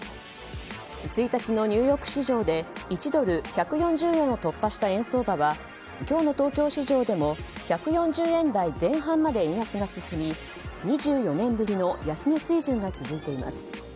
１日のニューヨーク市場で１ドル＝１４０円を突破した円相場は今日の東京市場でも１４０円台前半まで円安が進み２４年ぶりの安値水準が続いています。